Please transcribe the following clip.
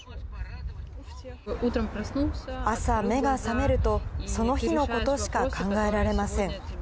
朝、目が覚めると、その日のことしか考えられません。